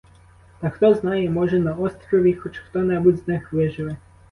Та хто знає, може, на острові хоч хто-небудь з них виживе.